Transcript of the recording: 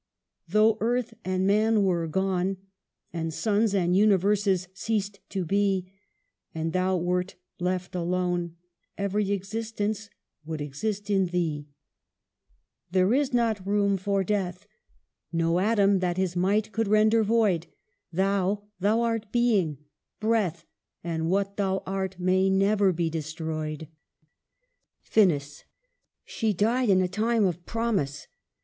" Though earth and man were gone, And suns and universes ceased to be, And thou wert left alone, Every existence would exist in thee. EMILY'S DEATH. 311 " There is not room for Death, No atom that his might could render void ; Thou — thou art Being, Breath, And what thou art may never be destroyed." FINIS !" She died in a time of promise."